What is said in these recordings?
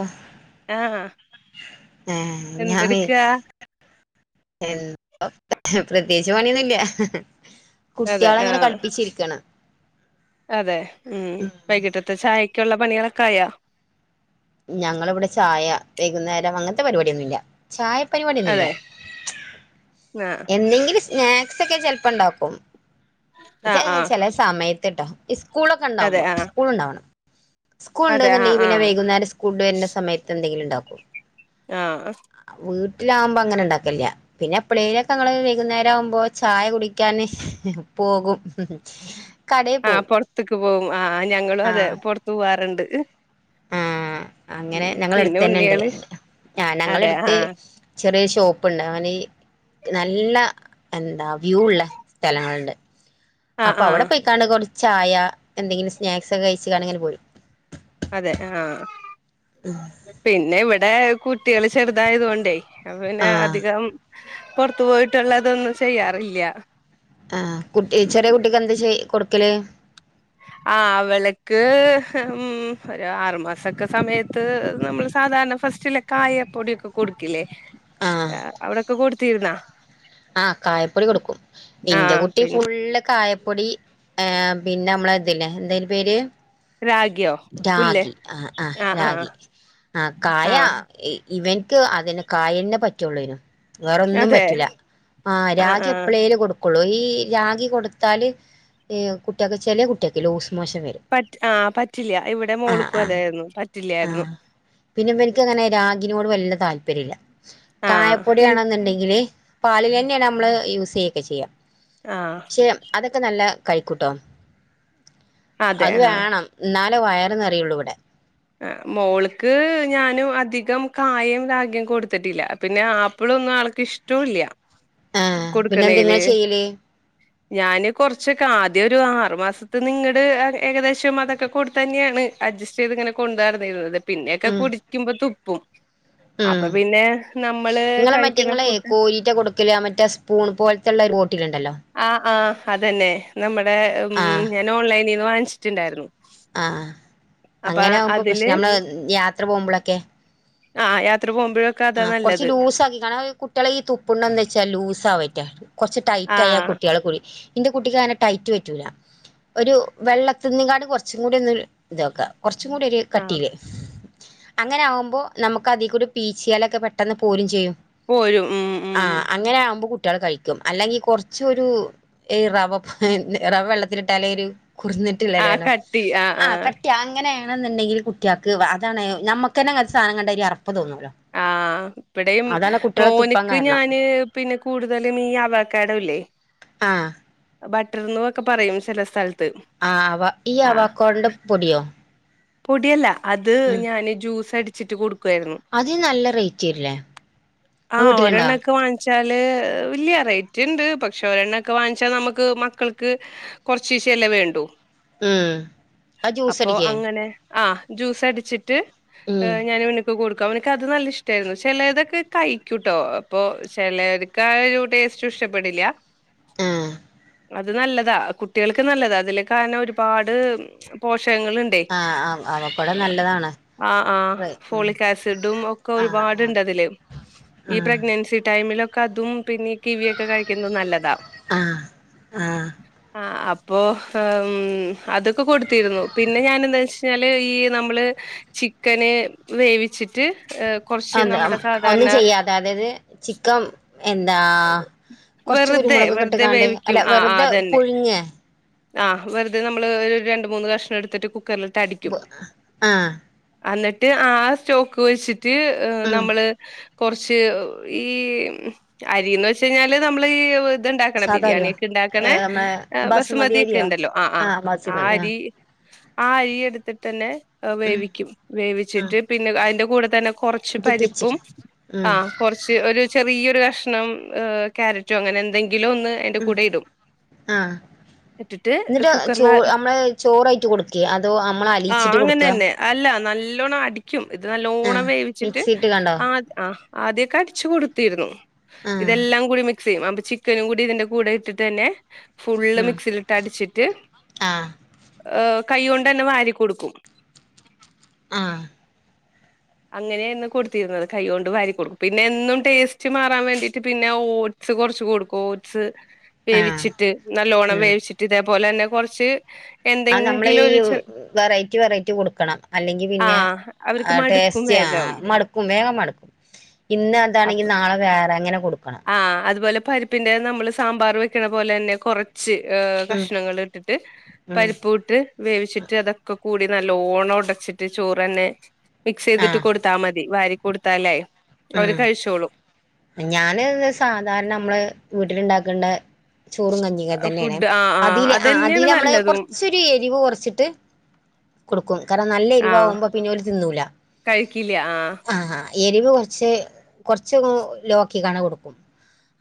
ആഹ് ആഹ് ഏ എന്ത് ഞാന് വേ എടുക്കാ [unintelligible] പ്രത്യേകിച്ച് പണിയൊന്നില്ല അതെ കുട്ട്യേളങ്ങനെ ആഹ് കൾപ്പിച്ചിര്ക്കാണ്. അതെ ഉം വൈകിട്ടത്തെ ചായക്ക് ക്കുള്ള പണികളൊക്കെ ആയാ ഞങ്ങളിവടെ ചായ വൈകുന്നേരം അങ്ങൻത്തെ പരിപാടിയൊന്നുല്ല ചായ പരിപാടിയൊന്നില്ല അതെ ആഹ് എന്തെങ്കിലും സ്നാക്സൊക്കെ ചെൽപ്പണ്ടാക്കും ചെ ആഹ് ആഹ് ചെലെ സമയ ത്ട്ടോ സ്കൂളൊക്കെ അതെ ണ്ടാവുമ്പോ ആഹ് സ്കൂള്ണ്ടാവണം സ്കൂൾ അതെ ആഹ് ണ്ട്ന്ന്ണ്ടെങ്കി പിന്നെ ആഹ് വൈകുന്നേരം സ്കൂൾ ട്ട് വര്ണ സമയത്ത് എന്തെങ്കി ആഹ് അ വീട്ടിലാവുമ്പൊ അങ്ങനെ ഇണ്ടാക്കലില്ല്യ പിന്നെ എപ്പളേങ്കിലൊക്കെ ങ്ങള് വൈകുന്നേരാവുമ്പൊ ചായ കുടിക്ക്യാന് പോകും കടേ ആ പോവും പൊറത്ത്ക്ക് പോവും ആ ഞങ്ങളും അതെ ആഹ് പൊറത്ത് പുവ്വാറ്ണ്ട്. ആഹ് അങ്ങനെ ഞങ്ങളെ പിന്നെ അടുത്ത് തന്നെ ഉണ്ട് ഉണ്ണികള് ആ ഞങ്ങളെ അതെ എടുത്ത് ആഹ് ചെറ്യേ ഷോപ്പ്ണ്ട് [unintelligible] നല്ല എന്താ വ്യൂ ഉള്ള സ്ഥലങ്ങള്ണ്ട്. ആഹ് അപ്പൊ ആഹ് അവിടെ പോയിക്കാണ്ട് കൊറ ചായ, എന്തെങ്കിലും സ്നാക്സ് ഒക്കെ കഴിച്ച്ങ്ങാണ്ട്ങ്ങനെ പോരും. അതെ ആഹ്. പിന്നെ ഇവി ഇവിടെ കുട്ടികള് ചെറുതായതുകൊണ്ടേ പിന്നെ ആഹ് അധികം പുറത്തു പോയിട്ടുള്ളതൊന്നും ചെയ്യാറില്ല്യ. ആഹ് കുട്ടി ചെറിയ കുട്ടിക്ക് എന്ത് ചെ കൊടുക്കല് ആ അവള്ക്ക് ഉം ഒരു ആറുമാസൊക്കെ സമയത്ത് നമ്മള് സാധാരണ ഫസ്റ്റിലെ കായ പൊടിയൊക്കെ കൊടുക്കില്ലേ? ആ അവിടെ ഒക്കെ കൊടുത്തിരുന്നാ? ആ കായപ്പൊടി കൊടുക്കും ആ ഇന്റെ കുട്ടി പിന്നെ ഫുള്ള് കായപ്പൊടി ഏ പിന്നെ നമ്മളെ ഇതില്ലേ എന്താ അയിൻ്റെ പേര് രാഗിയോ പുല്ല് രാഗി ആ ആ രാഗി ആ കായ ആ ഇവൻക്ക് അതിന് കായന്നെ പറ്റൊള്ളേനു വേറൊന്നും അതെ പറ്റൂല ആ രാഗി എപ്പളേലും കൊടു കൊള്ളൂ ഈ രാഗി കൊടുത്താല് ഈ കുട്ടിയെക്ക് ചെല കുട്ടിയെക്ക് ലൂസ് മോഷൻ വരും പറ്റ ആ പറ്റില്ല ഇവിടെ ആ മോൾക്കും ആ അതായിരുന്നു ആ പറ്റില്ലായിരുന്നു പിന്നെ ഇവൻക്ക് അങ്ങനെ രാഗിനോട് വല്ല താല്പര്യ ഇല്ല ആ ഈ കായപ്പൊടിയാണെന്ന്ണ്ടെങ്കില് ഇതന്നെ നമ്മള് യൂസ് ക്കെ ചെയ്യാ ആ [unintelligible] അതൊക്കെ നല്ല കഴിക്കുട്ടോ അതെ അത് ആ വേണം ഇന്നാൽ ല്ല വയറ് നെറയുള്ളൂ ഇവിടെ അ മോൾക്ക് ഞാനു അധികം കായേം റാഗിം കൊട്ത്തിട്ടില്ല പിന്നെ ആപ്പിളൊന്നും ആൾക്ക് ഇഷ്ടൂല്ല ആ പിന്നെന്തെ ങ്ങള് ചെയ്യല് ഞാന് കൊറച്ചൊക്കെ ആദ്യ ഒരു ആറു മാസത്ത്ന്ന്ങ്ങട് ഏകദേശം അതൊക്കെ കൊടുത്തന്നെയാണ് അഡ്ജസ്റ്റ്യ്ത്ങ്ങനെ കൊണ്ടടന്നിട്ന്നത് പിന്നെയൊക്കെ ഉം കുടിക്കുമ്പ തു പ്പും ഉം ങ്ങളെ മറ്റേ കഴിക്കുന്ന ഇങ്ങളെ ഫുഡ് കോരീറ്റ കൊടുക്കല് മറ്റേ സ്പൂൺ പോലത്തുള്ളരു ബോട്ടില്ണ്ടല്ലോ ആഹ് ആഹ് അതന്നെ നമ്മ ടെ ഊം ആഹ് ഞാൻ ഓൺലൈനി വാങ്ച്ചിട്ടുണ്ടാരുന്നു ആഹ് അങ്ങനെയാകുമ്പോ പ്രശ്നം അതില് ഞമ്മള് യാത്ര പോകുമ്പോളൊക്കെ ആ യാത്ര പോകുമ്പോഴൊക്കെ അതാ ആ കൊറച്ച് നല്ലത് ലൂസാക്കി കാരണം കുട്ടിയാള് ഈ തുപ്പുണ്ട് എന്ത വെച്ചാ ലൂസ ആവയ്റ്റ കൊറച്ച് ടൈറ്റ് റ്റായ ആഹ് കുട്ടിയാള് കുടി ന്റെ കുട്ടിക്ക് അങ്ങനെ ടൈറ്റ് പറ്റൂല ഒരു വെള്ളത്തിന്നിങ്ങാട് കൊറച്ചും കൂടി ഒന്ന് ഇതൊക്ക കൊറച്ചും കൂടി ഒരു ആഹ് കട്ടിയില് അങ്ങനെ ആകുമ്പോ നമക്ക് അതികൂടി പീ ച്ചിയാലൊക്കെ പെട്ടെന്ന് പോരും ചെയ്യും പോരും ഉം ആ ഉം അങ്ങനെ ആകുമ്പോ കു കുട്ടിയാള് കഴിക്കും അല്ലെങ്കിൽ കുറച്ചൊരു റവ റവ വെള്ളത്തിലിട്ടല്ലെ ഒരു ആഹ് കട്ടി ആഹ് ആ ആഹ് കട്ടിയ അങ്ങനെ അങ്ങനെന്നുണ്ടെങ്കിൽ കുട്ടിയാക്ക് അതാണ് നമ്മക്ക്ന്നെ അങ്ങനത്തെ സാധനം കണ്ട യ്ഞ്ഞാ അറപ്പ് തോന്നോലോ ആ ഇവടെയും തുപ്പാൻ മോന്ക്ക് കാരണം ഞാന് പിന്നെ കൂടുതലും ഈ അവാക്കാടോല്ലേ ആ ബട്ടർന്നൊക്കെ പറയും ചെല സ്ഥലത്ത് ആ അവ ഈ ആഹ് അവക്കാടോന്റെ പൊടിയോ പൊടിയല്ല അത് ഉം ഞാന് ജ്യൂസ് അടി ചിട്ട് കൊടു ക്കുവായിരുന്നു അതിന് നല്ല റേറ്റ് വരില്ലേ ങ്ങളെ വീട്ടില് ണ്ടാ വച്ചാല് വല്യ റേറ്റ് ഉണ്ട് പക്ഷെ ഒരെണ്ണ ഒക്കെ വാങ്ങിച്ചാൽ നമുക്ക് മക്കൾക്ക് കൊറച്ചീശല്ല വേണ്ടു ഉം ആ അപ്പൊ ജൂസടിക അങ്ങനെ ആഹ് ജ്യൂസ് അടിച്ചിട്ട് ഞാൻ ഇവനിക്ക് കൊടുക്കാംഅവനിക് നല്ല ഇഷ്ടരുന്നു ചിലതൊക്കെ കഴിക്കൂട്ടോ അപ്പ ചിലർക്ക് ആ ഒരു ടേസ്റ്റ് ഇഷ്ടപ്പെടില്ല ആഹ അത് നല്ലതാ കുട്ടികൾക്ക് നല്ലതാ അതില കാരണം ഒരുപാട് പോഷ പോഷകങ്ങളുണ്ടെ ആഹ് അവക്കോട നല്ലതാണ് ആ ആ ഫോലിക്കസി തും ഒക്കെ ആഹ് ആഹ് ഒരുപാടുണ്ടതില് ഈ ആഹ് പ്രെഗ്നൻസി ടൈമിൽ [unintelligible] അതും പിന്നെ കിവിയൊക്കെ കഴിക്കുന്നത് നല്ലതാ ആഹ് ആഹ് ആ അപ്പോൊ അതൊക്കെ കൊടുത്തിരുന്നു പിന്നെ ഞാൻ എന്താ വെച്ചഴിഞ്ഞാല് ഈ നമ്മള് ചിക്കന് വേവിച്ചിട്ട് റ്റ് അതെ ഒന്നും ചെയ്യാതെ അതാത് ചിക്കൻ എന്താ ആ കൊറച്ച് വെറുതെ കുരുമുളക് വെറുതെ കെട്ടുകാണ്ട് വേവിക്കും അല്ല വെറുതെ പുഴുങ്ങേ ആ വെറുത നമ്മള് ഒരു രണ്ട്മൂന്ന് കഷ്ണം എടുത്തിട്ട് കു ആ അന്നിട്ട് ആ സ്റ്റോക്ക് കോഴിച് [unintelligible] ഉം നമ്മള് കൊറച്ച് ഈ അരീന്ന് വെച്ച കഴിഞ്ഞാല് നമ്മള് ഈ ഇത്ണ്ടാക്കണ സാധാ ബിരിയാണി അരിയോ ഒക്കെ ഇണ്ടാക്കണേ ഏഹ് നമ്മളെ ബസുമതി ബസുമതിക്കെ അരിയോ ഉണ്ടല്ലോ ആ ആഹ് ആ ബസുമതി ആഹ് അരി ആ അയി എടുത്തിട്ട്ന്നെ ഉം വേവിക്കും ഉം വേവിച്ചിട്ട് പിന്നെഅയിന്റെ കു കൂടെത്തന്നെ കൊറച്ച് ഇത് പരിപ്പും പിച്ചിട്ട് ആ ഉം കൊറച്ച് ഒര് ചെറിയൊരു ക ഷ്ണം കാരറ്റും അങ്ങനെ എന്തെ അ ആ ഇട്ടിട്ട് ന്നിട്ട് ചോ കുക്കറില് അമ്മളെ ചോറായിട്ട് കൊട്ക്കെ അതോ അമ്മളെ അലിയിച്ചിട്ട് കൊട്ക്ക ല്ലോണം അടിക്കും ഇത് നല്ലോണം വേവിച്ചിട്ട് മിക്സിയിട്ട് കാണ്ടോ ആ ആ ആദ്യൊക്കെ അടിച്ച് കൊട്ത്തീര്ന്നു ആഹ് ഇതെല്ലാം കൂടി മി മിക്സെയ്യും അപ്പൊ ചിക്കനും കൂടി ഇതിന്റെ കൂടെ ഇട്ടിട്ട് തന്നെ ഫുള്ള് ഉം മിക്സീല്ട്ട് അടിച്ചിട്ട് ആഹ് ഏ കൈകൊണ്ടന്നെ വാരി കൊട്ക്കും ആ അങ്ങനേര്ന്നു കൊട്ത്തിര്ന്നത് കൈകൊണ്ട് വാരി കൊട്ക്കും പിന്നെ എന്നും ടേസ്റ്റ് മാറാൻ വേണ്ടീട്ട് പിന്നെ ഓട്സ് കൊർച്ച് കൊട്ക്കും ഓട്സ് ആഹ് വേവിച്ചിട്ട് നല്ലോണം വേവിച്ചിട്ട് ഇതേ തേ പാേലെന്നെ കൊർച്ച് ആ നമ്മള് ഈ വെറൈറ്റി വെറൈറ്റി കൊട്ക്കണം അല്ലെങ്കി പിന്നെ ആഹ് അവർക്ക് ആ മടുക്കും ടേസ്റ്റ് ആ വേഗം. മടുക്കും വേഗം മടുക്കും ഇന്ന് അതാണെങ്കി നാളെ വേറെ എങ്ങന കൊടു ആ അതുപോലെ പരിപ്പിന്റെ നമ്മള് സാമ്പാർ വെക്കണ പോലന്നെ കുറ ച്ച് ഏഹ് ഉം കഷ്ണങ്ങളിട്ടിട്ട് ഉം പരിപ്പു ഇട്ട് വേവിച്ചിട്ട് അതൊക്കെ കൂടി നല്ലോണം ഒടച്ചിട്ട് ചോറന്നെ മിക്സ് ചെയ്തിട്ട് ആഹ് കൊടുത്താ മതി വാരി കൊടുത്താലേ അവര് ഉം കഴിച്ചോളും ഞാന് ത് സാധാരണ നമ്മള് വീട്ടില ഇണ്ടാക്കേണ്ട ചോറും കഞ്ഞിക്ക തന്നെയാണെ ഫുഡ് ആഹ് ആഹ് അതില് ആ അതന്നെയാണ് അതില് നമ്മള് നല്ലതും കൊറച്ചൊരു എരിവ് കെറച്ചിട്ട് കൊടുക്കും കാരണം നല്ല ആഹ് എരിവകുമ്പോ പിന്നെ അവര് തിന്നൂല കഴിക്കില്ല ആഹ് ആഹ എരിവ് കെ ക്ഷെ കെറച്ച് ലോക്കി കണ കൊടുക്കും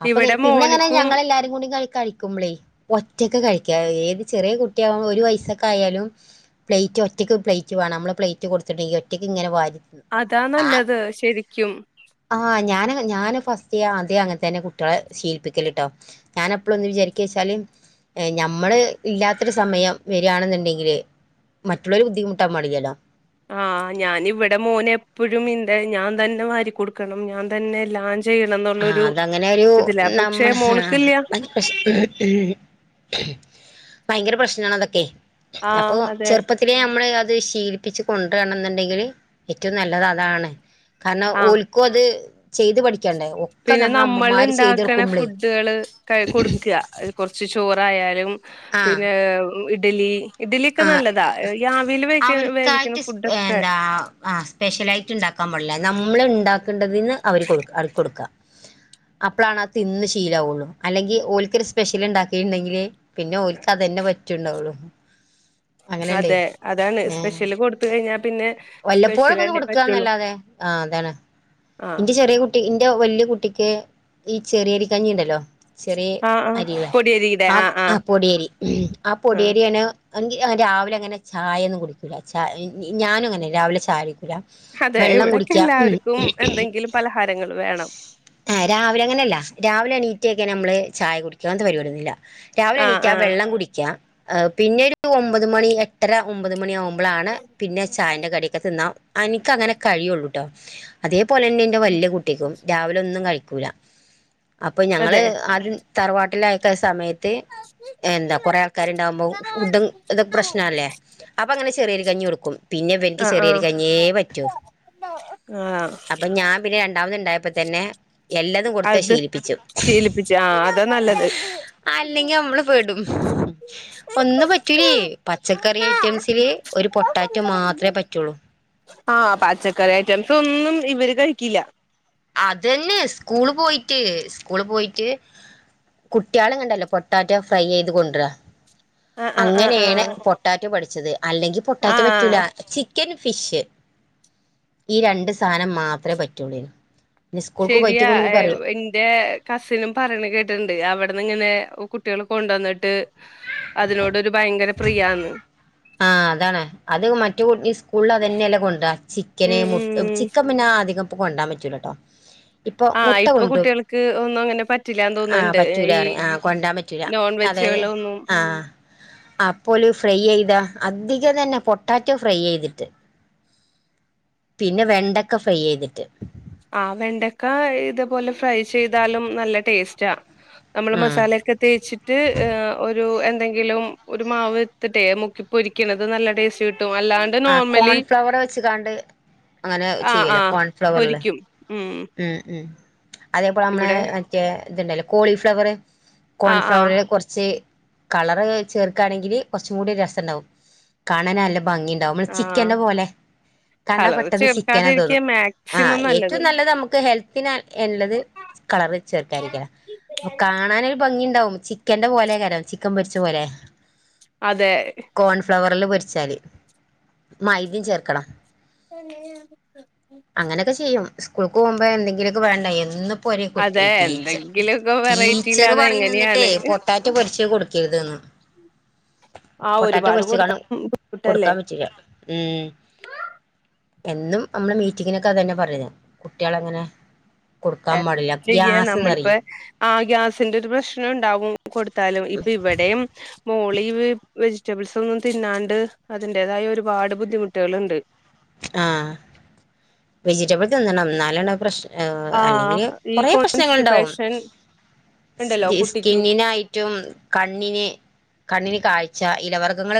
അപ്പൊ ഇവിടെ പിന്നെ അങ്ങനെ മോന്ക്കും ഞങ്ങ എല്ലാരും കൂടി ക കഴി ക് പ്ലേ ഒറ്റക്ക് കഴിക്കുക ഏത് ചെറിയ കുട്ടിയാക്മ്പ ഒരു വയസക്കെ ആയാലും പ്ലേറ്റ് ഒറ്റക്ക് പ്ലേറ്റ് വേണം നമ്മൾ പ്ലേറ്റ് കൊടുത്തിട്ടുണ്ടെങ്കി ഒറ്റയ്ക്ക് ഇങ്ങനെ വാരി അതാ നല്ലത് ശരിക്കും ആഹ ഞാൻ ഞാന് ഫസ്റ്റ് ആദ്യം അങ്ങനെ തന്നെ കുട്ടികളെ ശീപ്പിക്കല് ട്ടോ ഞാൻ എപ്പളന്ന് വിചാരിക്കവെച്ചാല് നമ്മള് ഇല്ലാത്തൊരു സമയം വരുകയാണെന്നുണ്ടെങ്കില് മറ്റുള്ളവര് ബുദ്ധിമുട്ടാൻ പാടില്ലല്ലോ ആഹ് ഞാന് ഇവിടെ മോന് എപ്പോഴും ഇന്ത ഞാൻ തന്നെ വാരി കൊടുക്കണം ഞാൻ തന്നെ എല്ലാ ആ അതങ്ങനെ ഒരു പക്ഷെ നമ്മള് ആഹ മോൾക്കില്ല ന്നാലും പക്ഷെ [inaudible] ഭയങ്കര പ്രശ്നണ്. അതൊക്കെ അപ്പൊ ആഹ് അതെ ചെറുപ്പത്തിലേ നമ്മള് അത് ശീലിപ്പിച്ചച്ച് കൊണ്ട് വരണം എന്നുണ്ടെങ്കില് ഏറ്റവും നല്ലത് അതാണ് കാരണം ആ ഓൽക്ക് അത് ചെയ്ത് പഠിക്കാണ്ടായോ പിന്നെ നമ്മൾ ഇണ്ടാക്കണ ഫുഡുകള് ക കൊടുക്കുക കെറച്ച് ചോ എതായാലും പിന്നെ ഇഡലി ഇഡലിയൊക്കെ ആ നല്ലതാ ഈ ആവിയിൽ വേവി വേവിക്കുന്ന അവർക്കായിട്ട് ഇഷ് ഫുഡൊക്കെ എന്താ ആ സ്പെഷ്യലായിട്ട് ഉണ്ടാക്കാൻ പടില്ലേ നമ്മള് ഉണ്ടാക്കേണ്ടതിന്ന് അവര് കൊടുക്ക അവള്ക്ക് കൊടുക്കാ അപ്പളാണ് ആ തിന്ന് ശീലാവുള്ളു അല്ലെങ്കി ഓൽക്ക് ഒരു സ്പെഷ്യൽ ഉണ്ടാക്കിണ്ടെങ്കില് പിന്നെ ഓൾക്ക് അതന്നെ പ റ്റുണ്ടാവളും അതെ അതാണ് ഏഹ് സ്പെഷ്യല് കൊടുത്ത കഴിഞ്ഞാ പിന്നെ സ്പെഷ്യൽ വല്ലപ്പോഴൊക്കെ ഒന്ന് തന്നെ പറ്റുള്ളൂ കൊടുക്കുകന്നല്ലാതെ ആ അതാണ് ആഹ് ഇന്റെ ചെറിയ കുട്ടി ഇന്റെ വല്യ കുട്ടി ക്കെ ഈ ചെറിയരി കഞ്ഞി ഇണ്ടല്ലോ ചെറിയ ആഹ് ആഹ് അരികളെ പൊടിയരിയുടെ ആഹ് ആ ആഹ് പൊടിയരി ആ ആഹ് പൊടിയേരിയാണ് അങ്കി രാവിലെ അങ്ങനെ ചായയൊന്നും കുടിക്കൂല്ലാ ച ഞാനും അങ്ങനെയാ രാവിലെ ചായ കുടി ല്ലാ അതെ വെള്ളം ഇവിടെക്കെ കുടിക്ക എല്ലാവർക്കും [inaudible] എന്തെങ്കിലും പലഹാരങ്ങൾ വേണം ആ രാവിലെ അങ്ങനെയല്ല രാവിലെ എണീറ്റ ഇങ്ങനെ നമ്മള് ചായ കുടിക്കാ അങ്ങനത്തെ പരിപാടിയൊന്നുവില്ല രാവിലെ ആഹ് എണീറ്റാ ആഹ് വെള്ളം കുടിക്കാ ഹ് പിന്നെ ഒരു ഒമ്പത് മണി എട്ടര ഒമ്പത് മണിയാവു മ്പളാണ് പിന്ന ചായൻ്റെ കടിയൊക്കെ തിന്നാം എനിക്കങ്ങനെ കഴിയുള്ളൂട്ടോ അതേ പോലന്നെൻ്റെ വല്യ കുട്ടിക്കും. രാവിലെ ഒന്നും കഴിക്കൂല അപ്പൊ ഞങ്ങള് അതെ ആരും തറവാട്ടിൽ അയ്ക്കാസമയ റ്റ് എന്താ കൊറേ ആൾക്കാരുണ്ടാകുമ്പോ ഫുഡും ഇതൊ പ്രശ്നല്ലേ അപ്പൊ അങ്ങനെ ചെറിയരി കഞ്ഞി കൊട് കും പിന്നെ ഇവൻക്ക് ആഹ് ആഹ് ചെറിയരികഞ്ഞിയേ പറ്റു ആഹ് അപ്പൊ ഞാൻ പിന്നെ രണ്ടാമത് ഇണ്ടായ പ്പം തന്നെ എല്ലതും കൊട്ത്ത അത് ശീലിപ്പിച്ചു ശീലിപ്പിച്ച് ആഹ് അതാ നല്ലത് അൽ ല്ലെങ്കി നമ്മള് പെടും ഒന്നും പറ്റൂലേ പച്ചക്കറി ഐറ്റംസില് ഒരു പൊട്ടാറ്റോ മാത്രേ പറ്റുള്ളൂ ആഹ് പച്ചക്കറി ഐറ്റംസ് ഒന്നും ഇവര് കഴിക്കില്ല അതന്നെ സ്കൂള് പോയിട്ട് സ്കൂള് പോയിട്ട് കുട്ട്യള് ങ്ങണ്ടല്ലോ പൊട്ടാറ്റൊ ഫ്രൈ ചെയ്ത് കൊണ്ടരാ ആഹ് ആഹ് ആഹ് അങ്ങനെയാണ് ആഹ് പൊട്ടാറ്റോ പഠി ച്ചത് അല്ലെങ്കിൽ പൊട്ടാറ്റൊ പറ്റൂല ആഹ് ചിക്കന് ഫിഷ് ഈ രണ്ട് സാധനം മാത്രേ പറ്റൊള്ളേനി ശരിയാ ഇന്റെ കസിനും പറയ്ണെ കേട്ടിണ്ട് അവ ട്ന്ന് ഇങ്ങനെ കുട്ടികൾ കൊണ്ട് വന്നിട്ട് അതിനോടൊരു ഭയങ്കര പ്രിയാന്ന് ആ അതാണ് അത് മറ്റു സ്കൂളിൽ അത് തന്നെയല്ലെ കൊണ്ട ചിക്കന് ഉം മു ഉം ചിക്കൻ പിന്നെ അധികം ഇപ്പൊ കൊണ്ടോവാൻ പറ്റൂലട്ടോ ഇപ്പൊ ആഹ് മുട്ട ഇപ്പൊ കൊണ്ടും കുട്ടികൾക്ക് ഒന്നും അങ്ങനെ പറ്റില്ലാന്ന് ആ തോന്നുന്നുണ്ട് ഏ, പറ്റൂല ഈ റ ആ കൊണ്ടാൻ പറ്റൂലാ നോൺ അതായത് വെജുകളൊന്നും ആ അപ്പോ ഒരു ഫ്രൈ ചെയ്താ അധികം തന്നെ പൊട്ടാറ്റോ ഫ്രൈ ചെയ്തിട്ട് പിന്നെ വെണ്ടക്ക ഫ്രൈയയ്തിട്ട് ആ വെണ്ടക്ക ഇത പോലെ ഫ്രൈ ചെയ്താലും നല്ല ടേസ്റ്റാ നമ്മള് ഉം മസാല ഒക്കെ തേച്ചിട്ട് ഏ ഒരു എ എന്തങ്കിലും ഒരു മാവ് ഇട്ത്തിട്ടേ മുക്കി പൊരിക്കണത് നല്ല ടേസ്റ്റ് കി ആ കോൺഫ്ലവർ വച്ച്കാണ്ട് അങ്ങനെ ആഹ് ചെയ്യലോ ആഹ് കോൺഫ്ലവറില് പൊരിക്കും ഉം ഉം അതേ പോല അമ്മളെ ഇവിടെ മറ്റേ ഇത്ണ്ടല്ലോ കോളിഫ്ലവറ് ആഹ് ആഹ് കോൺഫ്ലവറില് കൊറച്ച് കളറ് ചേർക്കാണെങ്കില് കുറച്ചും കൂടി രസണ്ടാവും കാണാന് നല്ല ഭംഗിണ്ടാവും മ്മളെ ആഹ് ചിക്കന്റെ പോലെ കണ്ടാ കളർ പെട്ടെന്ന് ചിക്കന ചേർക്കാതിരിക്കാ തോന്നും ആ മാക്സിമം ഏറ്റും നല്ലത് അമ്മ ഹെൽത്തിന എല്ലത് കളറ് ചേർക്കായിരിക്കല ഇപ്പൊ കാണനൊരു ഭംഗി ഇണ്ടാവും ചിക്കന്റെ പോലെക്കാരം ചി ക്കൻ പൊരിച്ച പോലെ അതെ ർല് പൊരിച്ചാതി മൈദേം ചേർക്കണം [inaudible] ഇസ്‌കൂൾ ക്ക് പോവുമ്പോ എന്തെങ്കിലൊക്കെ വേണ്ടേ എന്നും ഇപ്പ ഒരേ കുട്ടി അതെ ടീച്ച എന്തെങ്കിലുമൊക്കെ വെറൈറ്റിയിൽ ടീച്ചറ് പറയന്ന ന്നിട്ടേ അതെങ്ങനെയാണ്. പൊട്ടാറ്റോ പൊരിച്ച് കൊടുക്കരുന്ന് ആഹ് പൊട്ടാറ്റോ ഒരുപാട് കൊടുത്താ പൊരിച്ച്‌കാണം കിട്ടല്ലേ. കൊടുക്കാൻ പറ്റൂല ഉം എന്നും അമ്മള മീറ്റിങ്ങിനൊക്കെ അതന്നെ പറയ കുട്ട്യേളങ്ങനെ കൊടുക്കാൻ പാടില്ല ഗ്യാസ്ന്നറയും ആ ഗ്യാസിന്റെ ഒരു പ്രശ്ന ഉണ് ണ്ടാവും [inaudible] കൊടുത്താലും ഇപ്പൊ ഇവിടേം മോളീവ് വെജിറ്റബിൾസ് ഒന്നും തിന്നാണ്ട് അതിന്റേതായ ഒരുപാട് ബുദ്ധിമുട്ടുകളുണ്ട് ആ വെജിറ്റബിൾ തിന്നണം എന്നാലാണ് പ്രശ് ആങ്‌വ് ആഹ് അല്ലെങ്കിലും ഈ കൊറെ പ്രശ്നങ്ങളിണ്ടാവും കോൺസ്റ്റിപ്പേഷൻ ഉണ്ടല്ലോ സ്കി കുട്ടിക്ക് സ്കിന്നിനായിട്ടും കണ്ണിന് കണ്ണിന് കാഴ്ച ഇലവർഗ്ഗങ്ങള്